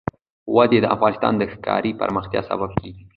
وادي د افغانستان د ښاري پراختیا سبب کېږي.